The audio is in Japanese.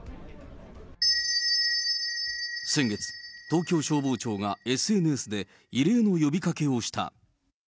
先月、東京消防庁がＳＮＳで異例の呼びかけをした。